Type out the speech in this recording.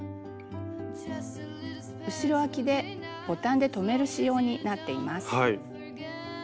後ろあきでボタンで留める仕様になっています。